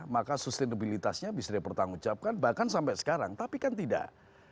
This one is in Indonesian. maka sustenabilitasnya bisa dipertanggungjawabkan bahkan sampai sekarang tapi kan tidak